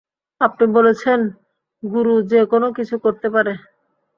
আপনি বলেছেন গুরু যেকোনো কিছু করতে পারে?